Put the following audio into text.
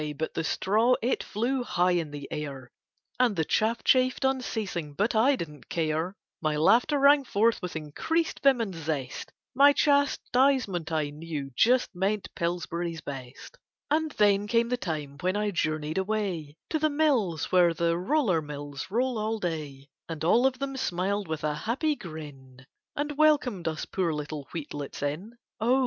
but the straw, it flew high in the air And the chaff chaffed unceasing, but I didn't care, My laughter rang forth with increased vim and zest, My chastisement I knew just meant Pillsbury's Best. And then came the time when I journeyed away To the mills where the "Roller Mills" roll all day, And all of them smiled with a happy grin And welcomed us poor little wheatlets in; Oh!